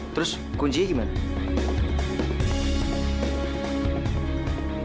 terus kuncinya gimana